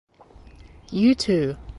You too.